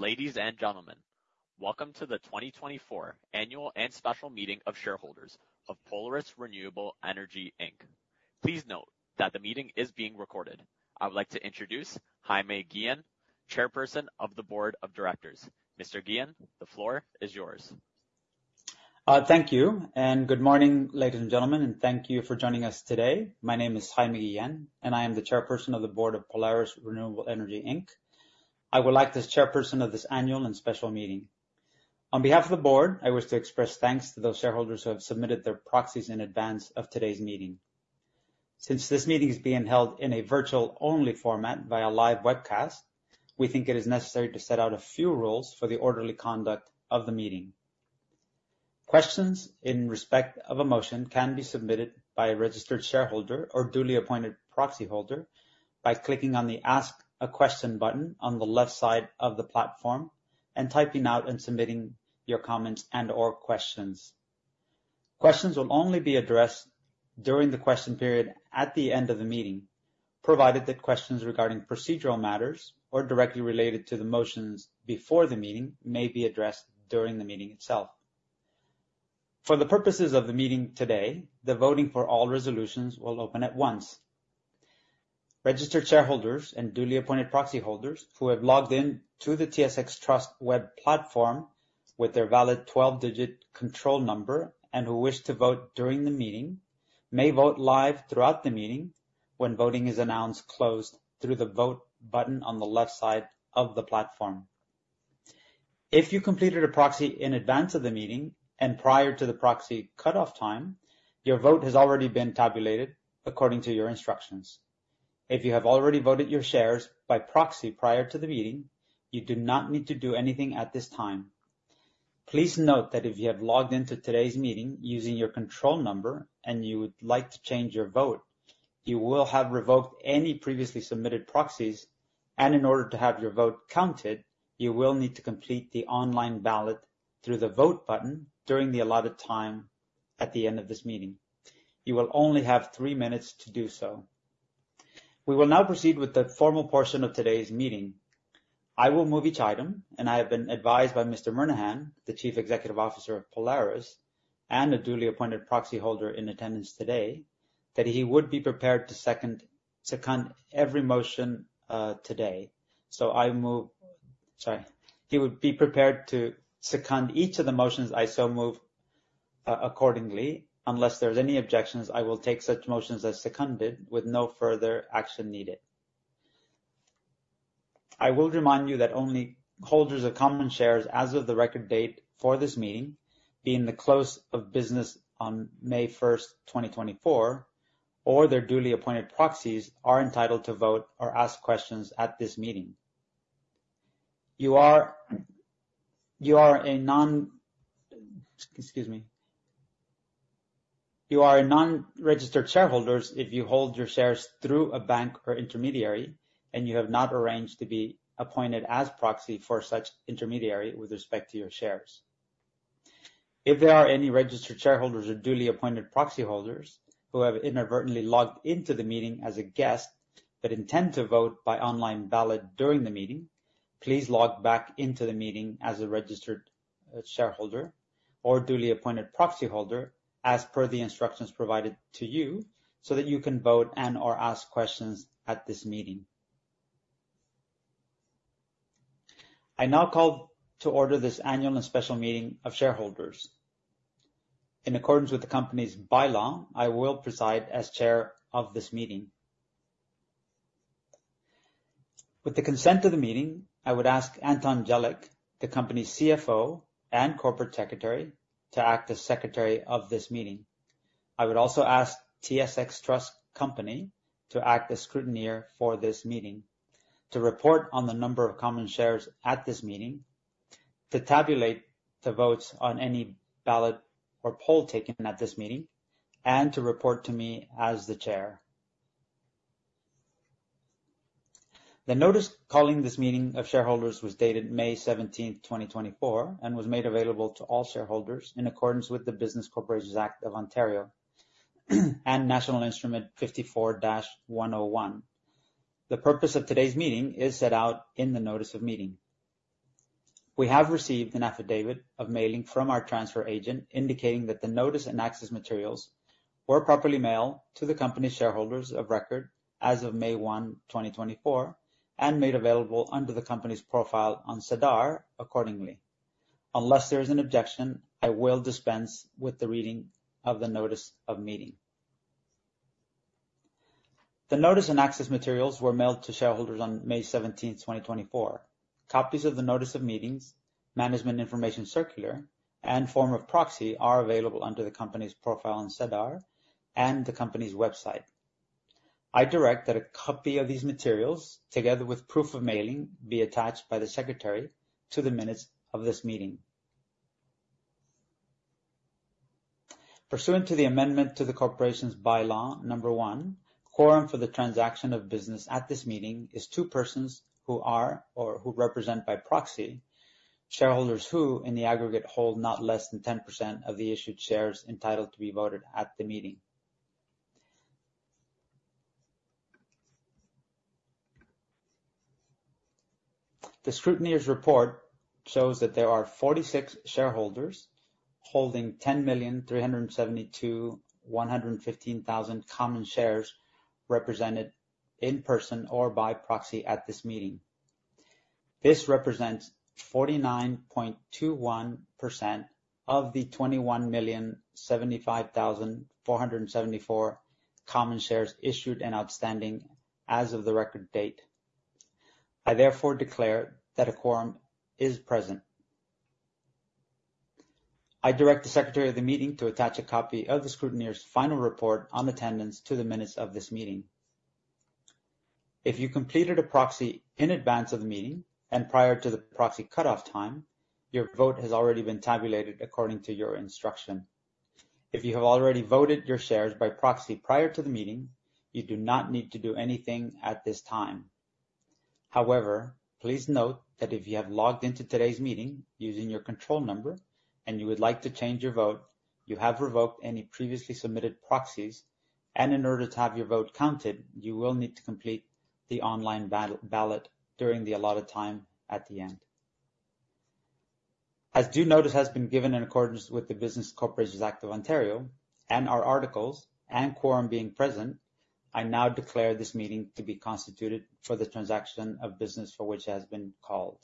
Ladies and gentlemen, welcome to the 2024 Annual and Special Meeting of Shareholders of Polaris Renewable Energy Inc. Please note that the meeting is being recorded. I would like to introduce Jaime Guillen, Chair of the Board of Directors. Mr. Guillen, the floor is yours. Thank you, and good morning, ladies and gentlemen, and thank you for joining us today. My name is Jaime Guillen, and I am the Chairperson of the Board of Polaris Renewable Energy Inc. I will act as chairperson of this annual and special meeting. On behalf of the board, I wish to express thanks to those shareholders who have submitted their proxies in advance of today's meeting. Since this meeting is being held in a virtual-only format via live webcast, we think it is necessary to set out a few rules for the orderly conduct of the meeting. Questions in respect of a motion can be submitted by a registered shareholder or duly appointed proxyholder by clicking on the Ask a Question button on the left side of the platform and typing out and submitting your comments and/or questions. Questions will only be addressed during the question period at the end of the meeting, provided that questions regarding procedural matters or directly related to the motions before the meeting may be addressed during the meeting itself. For the purposes of the meeting today, the voting for all resolutions will open at once. Registered shareholders and duly appointed proxyholders who have logged in to the TSX Trust web platform with their valid 12-digit control number and who wish to vote during the meeting may vote live throughout the meeting when voting is announced closed through the Vote button on the left side of the platform. If you completed a proxy in advance of the meeting and prior to the proxy cutoff time, your vote has already been tabulated according to your instructions. If you have already voted your shares by proxy prior to the meeting, you do not need to do anything at this time. Please note that if you have logged in to today's meeting using your control number and you would like to change your vote, you will have revoked any previously submitted proxies, and in order to have your vote counted, you will need to complete the online ballot through the Vote button during the allotted time at the end of this meeting. You will only have three minutes to do so. We will now proceed with the formal portion of today's meeting. I will move each item. I have been advised by Mr. Murnaghan, the Chief Executive Officer of Polaris and a duly appointed proxyholder in attendance today, that he would be prepared to second every motion today. Sorry. He would be prepared to second each of the motions I so move accordingly. Unless there's any objections, I will take such motions as seconded with no further action needed. I will remind you that only holders of common shares as of the record date for this meeting, being the close of business on May 1st, 2024, or their duly appointed proxies, are entitled to vote or ask questions at this meeting. You are a non-registered shareholder if you hold your shares through a bank or intermediary and you have not arranged to be appointed as proxy for such intermediary with respect to your shares. If there are any registered shareholders or duly appointed proxyholders who have inadvertently logged into the meeting as a guest but intend to vote by online ballot during the meeting, please log back into the meeting as a registered shareholder or duly appointed proxyholder as per the instructions provided to you so that you can vote and/or ask questions at this meeting. I now call to order this annual and special meeting of shareholders. In accordance with the company's By-laws, I will preside as chair of this meeting. With the consent of the meeting, I would ask Anton Jelic, the company's CFO and Corporate Secretary, to act as Secretary of this meeting. I would also ask TSX Trust Company to act as scrutineer for this meeting to report on the number of common shares at this meeting, to tabulate the votes on any ballot or poll taken at this meeting, and to report to me as the chair. The notice calling this meeting of shareholders was dated May 17th, 2024, and was made available to all shareholders in accordance with the Business Corporations Act of Ontario and National Instrument 54-101. The purpose of today's meeting is set out in the notice of meeting. We have received an affidavit of mailing from our transfer agent indicating that the notice and access materials were properly mailed to the company shareholders of record as of May 1, 2024, and made available under the company's profile on SEDAR accordingly. Unless there is an objection, I will dispense with the reading of the notice of meeting. The notice and access materials were mailed to shareholders on May 17th, 2024. Copies of the notice of meetings, management information circular, and form of proxy are available under the company's profile on SEDAR and the company's website. I direct that a copy of these materials, together with proof of mailing, be attached by the secretary to the minutes of this meeting. Pursuant to the amendment to the corporation's By-law No. 1, quorum for the transaction of business at this meeting is two persons who are, or who represent by proxy, shareholders who, in the aggregate, hold not less than 10% of the issued shares entitled to be voted at the meeting. The scrutineer's report shows that there are 46 shareholders holding 10,372,115 common shares represented in person or by proxy at this meeting. This represents 49.21% of the 21,075,474 common shares issued and outstanding as of the record date. I therefore declare that a quorum is present. I direct the secretary of the meeting to attach a copy of the scrutineer's final report on attendance to the minutes of this meeting. If you completed a proxy in advance of the meeting and prior to the proxy cutoff time, your vote has already been tabulated according to your instruction. If you have already voted your shares by proxy prior to the meeting, you do not need to do anything at this time. However, please note that if you have logged into today's meeting using your control number and you would like to change your vote, you have revoked any previously submitted proxies, and in order to have your vote counted, you will need to complete the online ballot during the allotted time at the end. As due notice has been given in accordance with the Business Corporations Act (Ontario), and our articles, and quorum being present, I now declare this meeting to be constituted for the transaction of business for which it has been called.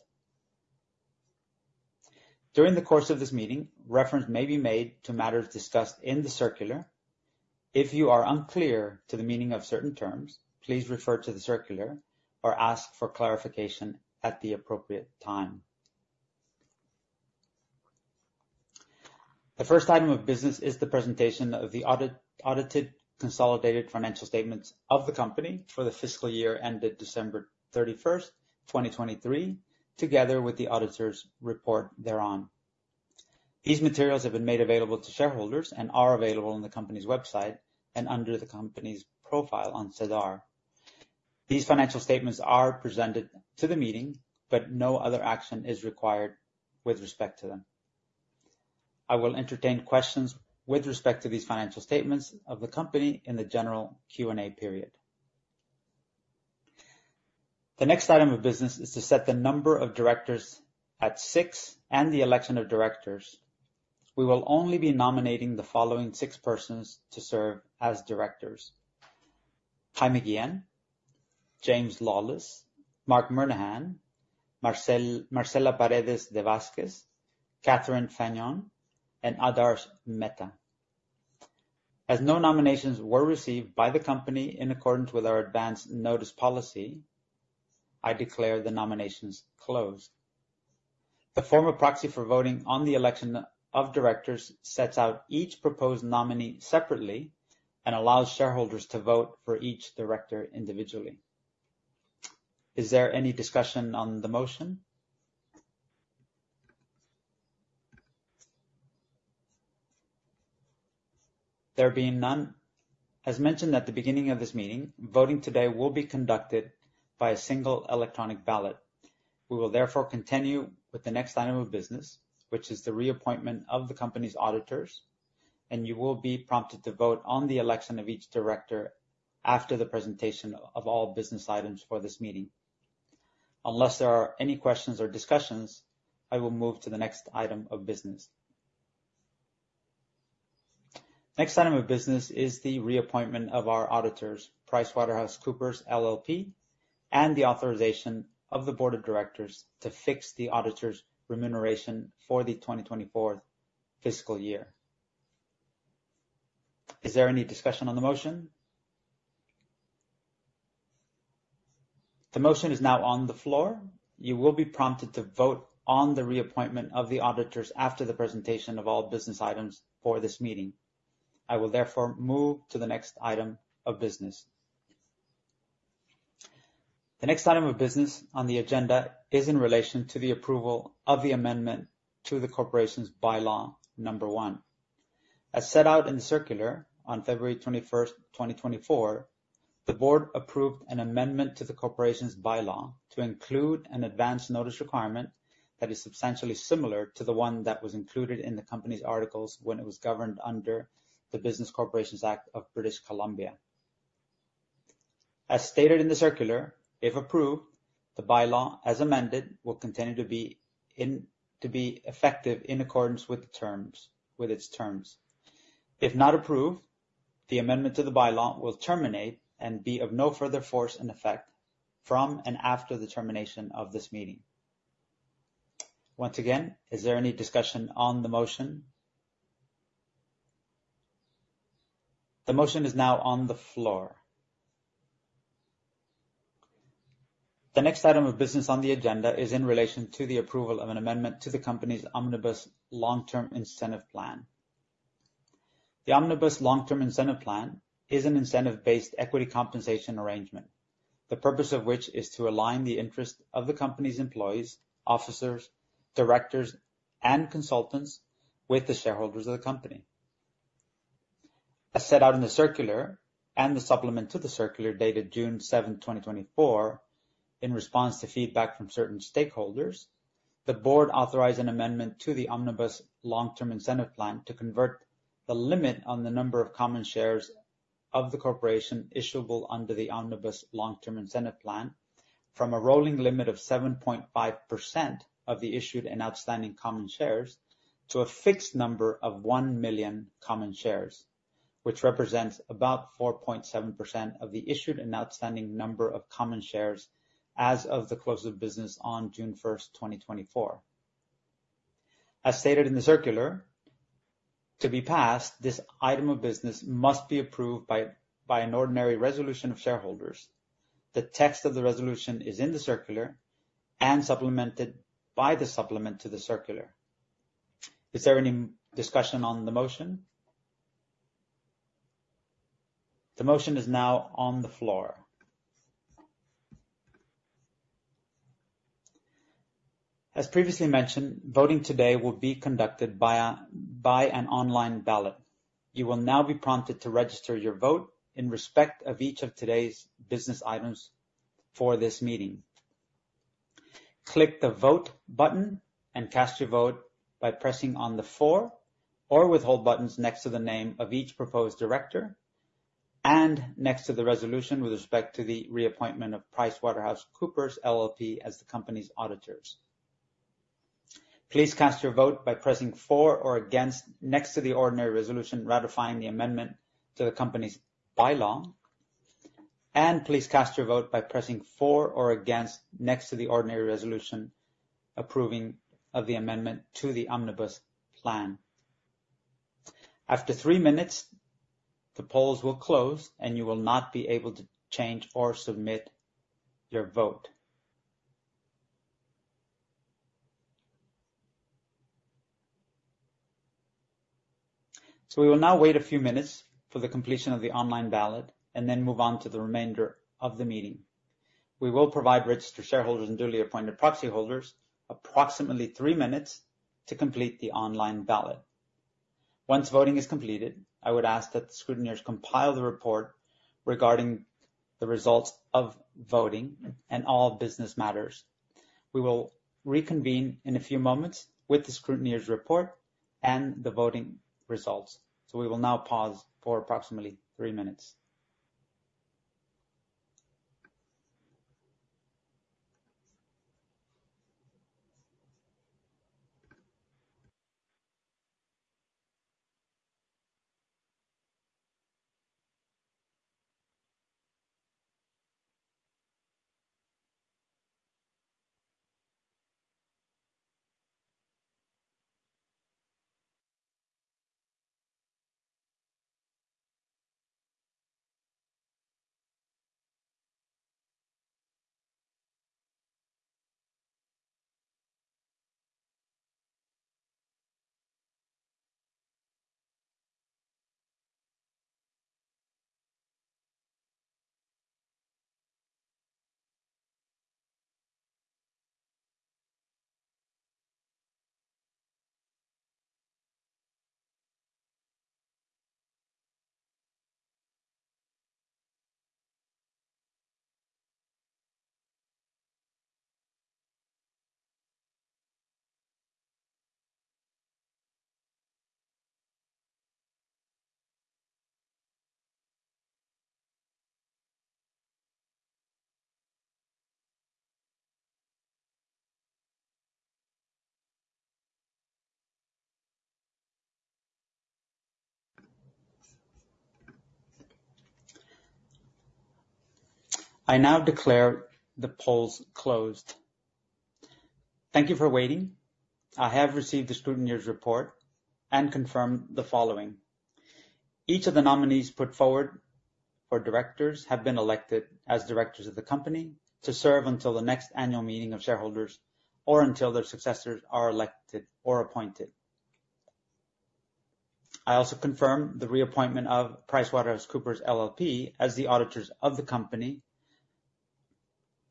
During the course of this meeting, reference may be made to matters discussed in the circular. If you are unclear to the meaning of certain terms, please refer to the circular or ask for clarification at the appropriate time. The first item of business is the presentation of the audited consolidated financial statements of the company for the fiscal year ended December 31st, 2023, together with the auditor's report thereon. These materials have been made available to shareholders and are available on the company's website and under the company's profile on SEDAR. These financial statements are presented to the meeting, but no other action is required with respect to them. I will entertain questions with respect to these financial statements of the company in the general Q&A period. The next item of business is to set the number of directors at six, and the election of directors. We will only be nominating the following six persons to serve as directors: Kai McGuigan, James V. Lawless, Marc Murnaghan, Marcela Paredes De Vasquez, Catherine Fagnan, and Adarsh Mehta. As no nominations were received by the company in accordance with our advance notice policy, I declare the nominations closed. The form of proxy for voting on the election of directors sets out each proposed nominee separately and allows shareholders to vote for each director individually. Is there any discussion on the motion? There being none, as mentioned at the beginning of this meeting, voting today will be conducted by a one electronic ballot. We will therefore continue with the next item of business, which is the reappointment of the company's auditors, and you will be prompted to vote on the election of each director after the presentation of all business items for this meeting. Unless there are any questions or discussions, I will move to the next item of business. Next item of business is the reappointment of our auditors, PricewaterhouseCoopers LLP, and the authorization of the board of directors to fix the auditor's remuneration for the 2024 fiscal year. Is there any discussion on the motion? The motion is now on the floor. You will be prompted to vote on the reappointment of the auditors after the presentation of all business items for this meeting. I will therefore move to the next item of business. The next item of business on the agenda is in relation to the approval of the amendment to the corporation's By-law No. 1. As set out in the circular on February 21st, 2024, the board approved an amendment to the corporation's By-law to include an advance notice requirement that is substantially similar to the one that was included in the company's articles when it was governed under the Business Corporations Act of British Columbia. As stated in the circular, if approved, the By-law, as amended, will continue to be effective in accordance with its terms. If not approved, the amendment to the By-law will terminate and be of no further force and effect from and after the termination of this meeting. Once again, is there any discussion on the motion? The motion is now on the floor. The next item of business on the agenda is in relation to the approval of an amendment to the company's Omnibus Long-Term Incentive Plan. The Omnibus Long-Term Incentive Plan is an incentive-based equity compensation arrangement, the purpose of which is to align the interest of the company's employees, officers, directors, and consultants with the shareholders of the company. As set out in the circular and the supplement to the circular dated June 7th, 2024. In response to feedback from certain stakeholders, the board authorized an amendment to the Omnibus Long-Term Incentive Plan to convert the limit on the number of common shares of the corporation issuable under the Omnibus Long-Term Incentive Plan from a rolling limit of 7.5% of the issued and outstanding common shares, to a fixed number of 1,000,000 common shares, which represents about 4.7% of the issued and outstanding number of common shares as of the close of business on June 1st, 2024. As stated in the circular, to be passed, this item of business must be approved by an ordinary resolution of shareholders. The text of the resolution is in the circular and supplemented by the supplement to the circular. Is there any discussion on the motion? The motion is now on the floor. As previously mentioned, voting today will be conducted by an online ballot. You will now be prompted to register your vote in respect of each of today's business items for this meeting. Click the Vote button and cast your vote by pressing on the For or Withhold buttons next to the name of each proposed director, and next to the resolution with respect to the reappointment of PricewaterhouseCoopers LLP as the company's auditors. Please cast your vote by pressing For or Against next to the ordinary resolution ratifying the amendment to the company's By-law, and please cast your vote by pressing For or Against next to the ordinary resolution approving of the amendment to the Omnibus Plan. After three minutes, the polls will close, and you will not be able to change or submit your vote. We will now wait a few minutes for the completion of the online ballot and then move on to the remainder of the meeting. We will provide registered shareholders and duly appointed proxy holders approximately three minutes to complete the online ballot. Once voting is completed, I would ask that the scrutineers compile the report regarding the results of voting and all business matters. We will reconvene in a few moments with the scrutineers' report and the voting results. We will now pause for approximately three minutes. I now declare the polls closed. Thank you for waiting. I have received the scrutineers' report and confirm the following. Each of the nominees put forward for directors have been elected as directors of the company to serve until the next annual meeting of shareholders or until their successors are elected or appointed. I also confirm the reappointment of PricewaterhouseCoopers LLP as the auditors of the company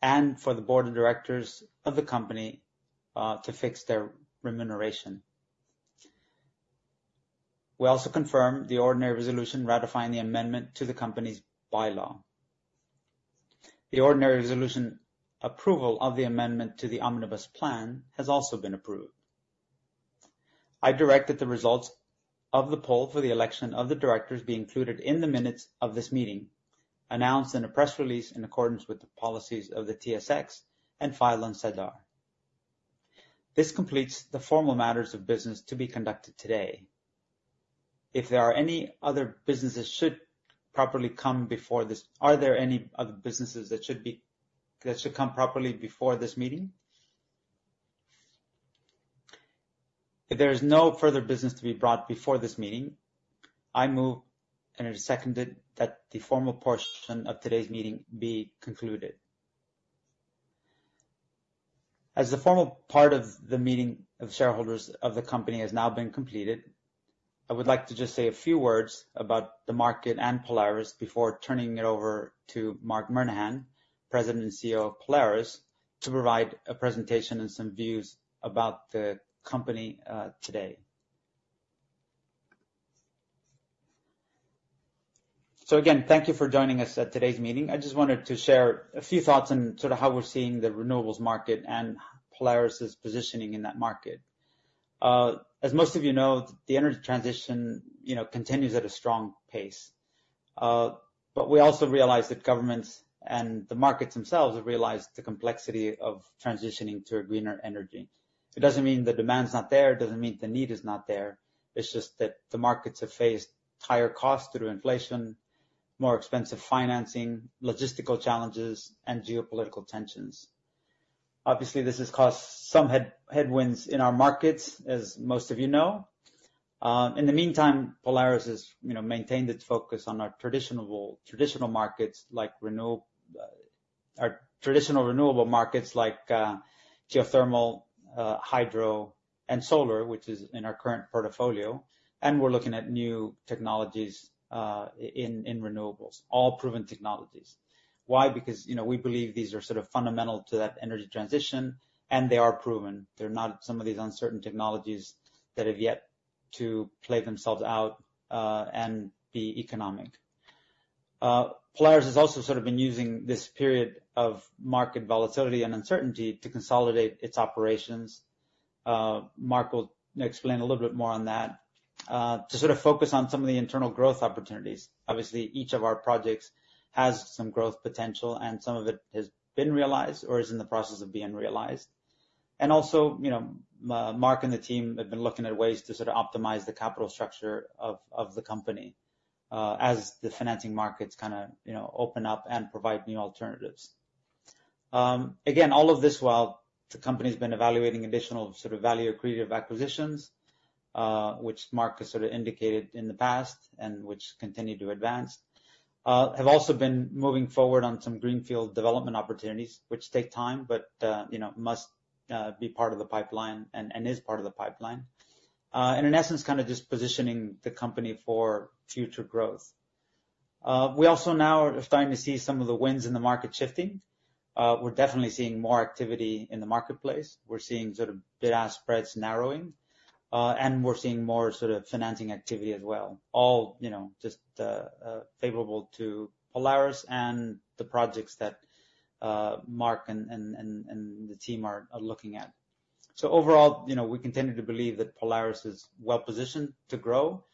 and for the board of directors of the company to fix their remuneration. We also confirm the ordinary resolution ratifying the amendment to the company's By-law. The ordinary resolution approval of the amendment to the Omnibus Plan has also been approved. I direct that the results of the poll for the election of the directors be included in the minutes of this meeting, announced in a press release in accordance with the policies of the TSX, and filed on SEDAR. This completes the formal matters of business to be conducted today. Are there any other businesses that should come properly before this meeting? If there is no further business to be brought before this meeting, I move and it is seconded that the formal portion of today's meeting be concluded. As the formal part of the meeting of shareholders of the company has now been completed, I would like to just say a few words about the market and Polaris before turning it over to Marc Murnaghan, President and CEO of Polaris, to provide a presentation and some views about the company today. Again, thank you for joining us at today's meeting. I just wanted to share a few thoughts on how we're seeing the renewables market and Polaris's positioning in that market. As most of you know, the energy transition continues at a strong pace. We also realize that governments and the markets themselves have realized the complexity of transitioning to a greener energy. It doesn't mean the demand's not there, it doesn't mean the need is not there. It's just that the markets have faced higher costs due to inflation, more expensive financing, logistical challenges, and geopolitical tensions. Obviously, this has caused some headwinds in our markets, as most of you know. In the meantime, Polaris has maintained its focus on our traditional renewable markets like geothermal, hydro, and solar, which is in our current portfolio, and we're looking at new technologies in renewables, all proven technologies. Why? Because we believe these are fundamental to that energy transition, and they are proven. They're not some of these uncertain technologies that have yet to play themselves out, and be economic. Polaris has also been using this period of market volatility and uncertainty to consolidate its operations. Marc will explain a little bit more on that, to focus on some of the internal growth opportunities. Obviously, each of our projects has some growth potential, and some of it has been realized or is in the process of being realized. Also, Marc and the team have been looking at ways to optimize the capital structure of the company, as the financing markets open up and provide new alternatives. Again, all of this while the company's been evaluating additional value-accretive acquisitions, which Marc has indicated in the past, and which continue to advance. We have also been moving forward on some greenfield development opportunities, which take time, must be part of the pipeline and is part of the pipeline, in essence, just positioning the company for future growth. We also now are starting to see some of the winds in the market shifting. We're definitely seeing more activity in the marketplace. We're seeing bid-ask spreads narrowing, we're seeing more financing activity as well. All just favorable to Polaris and the projects that Marc and the team are looking at. Overall, we continue to believe that Polaris is well-positioned to grow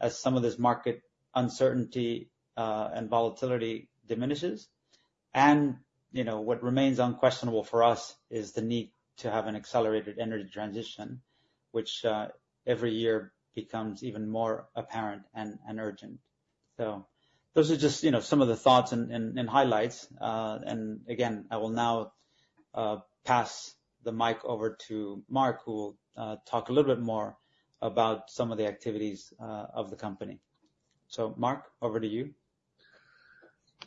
as some of this market uncertainty, and volatility diminishes. What remains unquestionable for us is the need to have an accelerated energy transition, which, every year becomes even more apparent and urgent. Those are just some of the thoughts and highlights. Again, I will now pass the mic over to Marc, who will talk a little bit more about some of the activities of the company. Marc, over to you.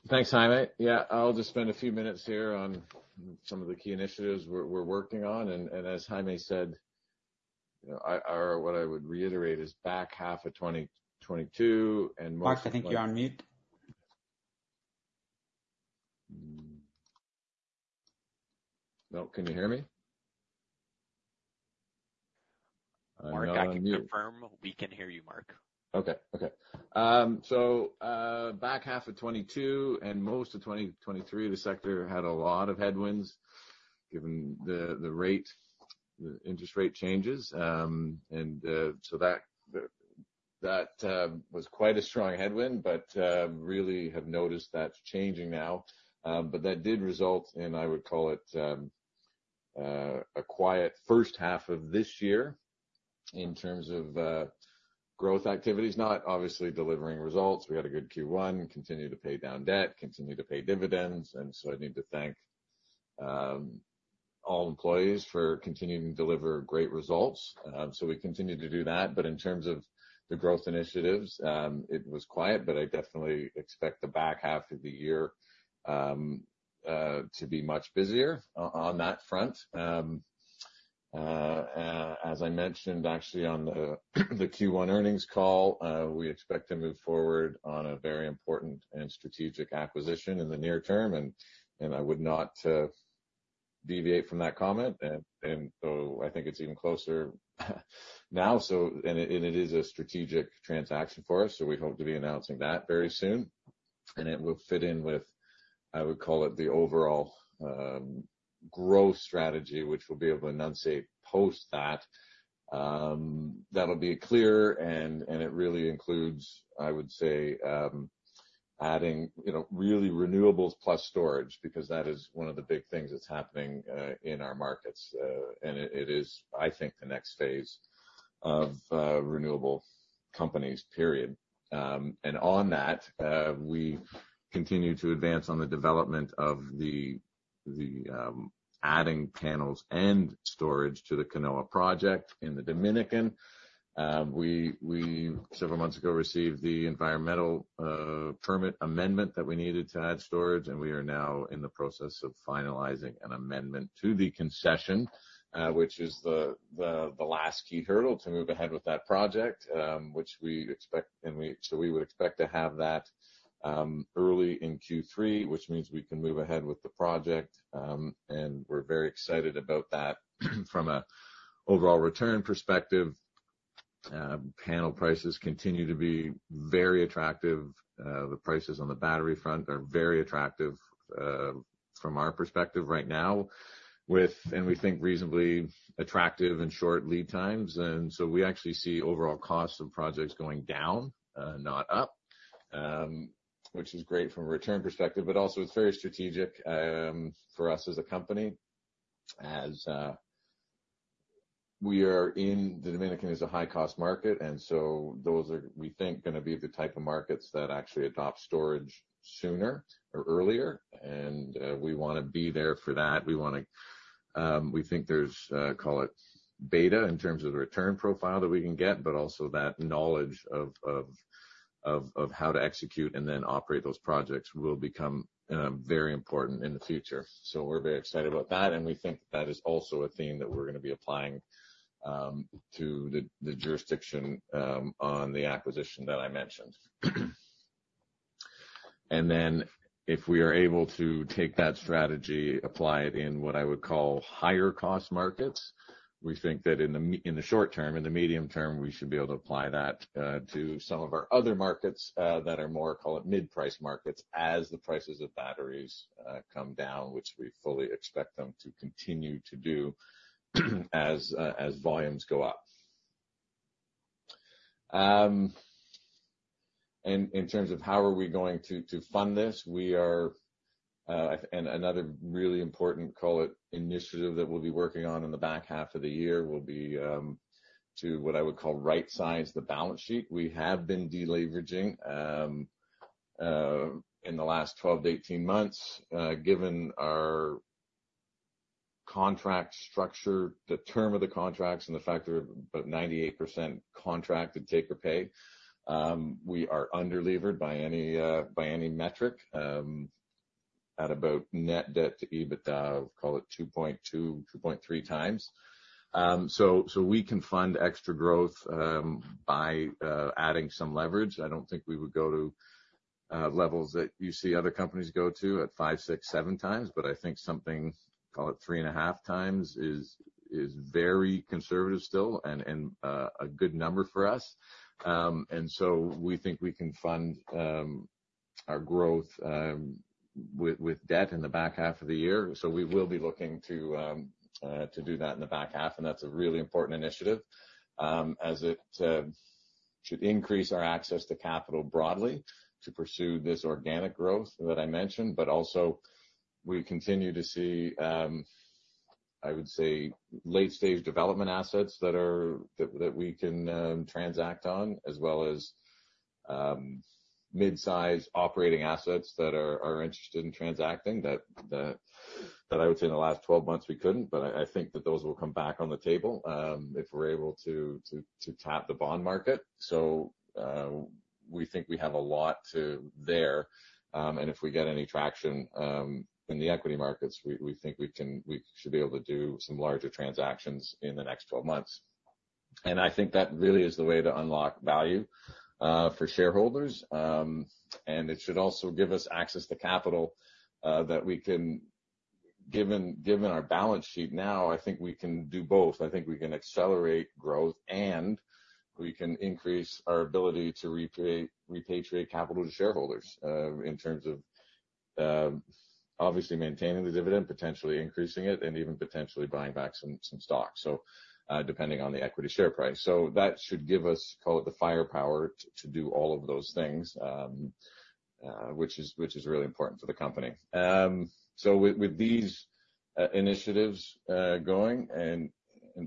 Thanks, Jaime. Yeah, I'll just spend a few minutes here on some of the key initiatives we're working on. As Jaime said, or what I would reiterate is back half of 2022 and most- Marc, I think you're on mute. No, can you hear me? I'm not on mute. Marc, I can confirm we can hear you, Marc. Okay. Back half of 2022 and most of 2023, the sector had a lot of headwinds given the interest rate changes. That was quite a strong headwind, but really have noticed that's changing now. That did result in, I would call it, a quiet first half of this year in terms of growth activities, not obviously delivering results. We had a good Q1, continue to pay down debt, continue to pay dividends, I need to thank all employees for continuing to deliver great results. We continue to do that. In terms of the growth initiatives, it was quiet, but I definitely expect the back half of the year to be much busier on that front. As I mentioned actually on the Q1 earnings call, we expect to move forward on a very important and strategic acquisition in the near term. I would not deviate from that comment. I think it's even closer now. It is a strategic transaction for us. We hope to be announcing that very soon. It will fit in with, I would call it, the overall growth strategy, which we'll be able to enunciate post that. That'll be clear. It really includes, I would say, adding really renewables plus storage, because that is one of the big things that's happening in our markets. It is, I think, the next phase of renewable companies, period. On that, we continue to advance on the development of the adding panels and storage to the Canoa project in the Dominican. We, several months ago, received the environmental permit amendment that we needed to add storage. We are now in the process of finalizing an amendment to the concession, which is the last key hurdle to move ahead with that project. We would expect to have that early in Q3, which means we can move ahead with the project. We are very excited about that from an overall return perspective. Panel prices continue to be very attractive. The prices on the battery front are very attractive from our perspective right now. We think reasonably attractive and short lead times. We actually see overall costs of projects going down, not up, which is great from a return perspective, but also it's very strategic for us as a company. As we are in the Dominican is a high-cost market, those are, we think, going to be the type of markets that actually adopt storage sooner or earlier. We want to be there for that. We think there's, call it beta, in terms of the return profile that we can get, but also that knowledge of how to execute and then operate those projects will become very important in the future. We're very excited about that, we think that is also a theme that we're going to be applying to the jurisdiction on the acquisition that I mentioned. If we are able to take that strategy, apply it in what I would call higher-cost markets, we think that in the short-term, in the medium term, we should be able to apply that to some of our other markets that are more, call it mid-price markets, as the prices of batteries come down, which we fully expect them to continue to do as volumes go up. In terms of how are we going to fund this, and another really important, call it initiative that we'll be working on in the back half of the year will be to what I would call right-size the balance sheet. We have been de-leveraging in the last 12-18 months. Given our contract structure, the term of the contracts, and the fact they're about 98% contracted take or pay, we are under-levered by any metric at about net debt to EBITDA of, call it 2.2x, 2.3x. We can fund extra growth by adding some leverage. I don't think we would go to levels that you see other companies go to at 5x, 6x, 7x. I think something, call it 3.5x is very conservative still and a good number for us. We think we can fund our growth with debt in the back half of the year. We will be looking to do that in the back half, and that's a really important initiative, as it should increase our access to capital broadly to pursue this organic growth that I mentioned. Also we continue to see, I would say, late-stage development assets that we can transact on, as well as mid-size operating assets that are interested in transacting that I would say in the last 12 months we couldn't. I think that those will come back on the table, if we're able to tap the bond market. We think we have a lot there. If we get any traction in the equity markets, we think we should be able to do some larger transactions in the next 12 months. I think that really is the way to unlock value for shareholders. It should also give us access to capital that we can given our balance sheet now. I think we can do both. I think we can accelerate growth, and we can increase our ability to repatriate capital to shareholders, in terms of obviously maintaining the dividend, potentially increasing it, and even potentially buying back some stock. Depending on the equity share price. That should give us, call it the firepower to do all of those things, which is really important for the company. With these initiatives going, and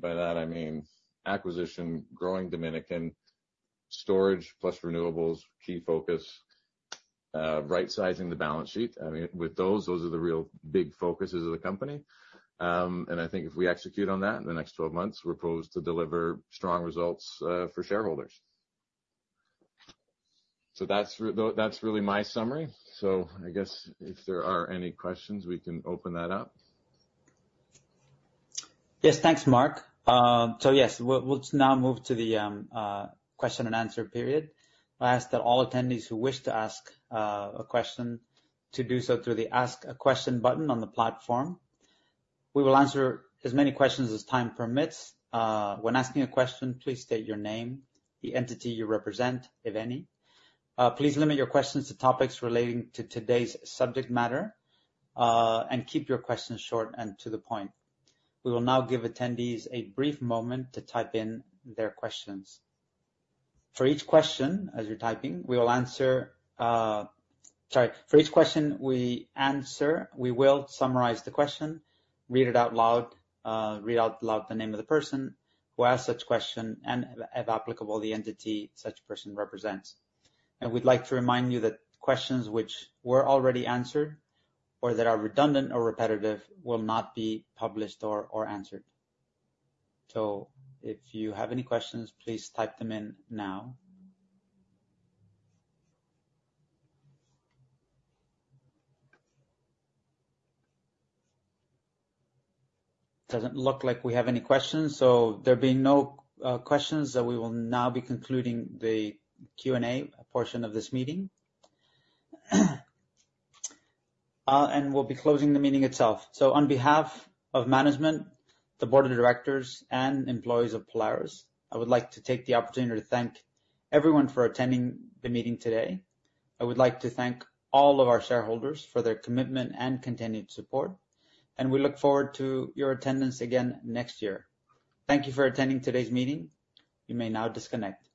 by that I mean acquisition, growing Dominican, storage plus renewables, key focus, right-sizing the balance sheet. Those are the real big focuses of the company. I think if we execute on that in the next 12 months, we're poised to deliver strong results for shareholders. That's really my summary. I guess if there are any questions, we can open that up. Yes. Thanks, Marc. Yes, we'll now move to the question and answer period. I ask that all attendees who wish to ask a question to do so through the Ask a Question button on the platform. We will answer as many questions as time permits. When asking a question, please state your name, the entity you represent, if any. Please limit your questions to topics relating to today's subject matter, and keep your questions short and to the point. We will now give attendees a brief moment to type in their questions. For each question we answer, we will summarize the question, read it out loud the name of the person who asked such question, and if applicable, the entity such person represents. We'd like to remind you that questions which were already answered or that are redundant or repetitive will not be published or answered. If you have any questions, please type them in now. Doesn't look like we have any questions. There being no questions, we will now be concluding the Q&A portion of this meeting. We'll be closing the meeting itself. On behalf of management, the board of directors, and employees of Polaris, I would like to take the opportunity to thank everyone for attending the meeting today. I would like to thank all of our shareholders for their commitment and continued support, and we look forward to your attendance again next year. Thank you for attending today's meeting. You may now disconnect.